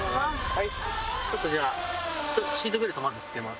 ちょっとじゃあシートベルトまず着けます。